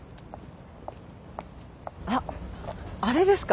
あっあれですか？